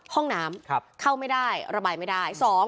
ห้องน้ำเข้าไม่ได้ระบายไม่ได้